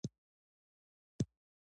د کوکنارو د بدیل پروژې شته؟